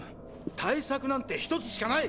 対策なんて一つしかない！